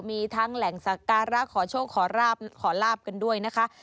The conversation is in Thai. มีทั้งแหล่งสักการะขอโชคขอราบขอลาบกันด้วยนะคะ